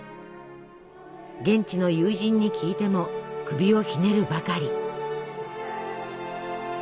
現地の友人に聞いても首をひねるばかり。